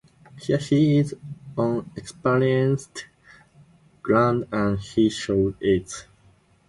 Here he is on experienced ground and he shows it.